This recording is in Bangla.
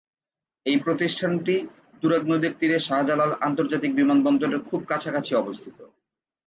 এই প্রতিষ্ঠানটি তুরাগ নদীর তীরে শাহজালাল আন্তর্জাতিক বিমানবন্দরের খুব কাছাকাছি অবস্থিত।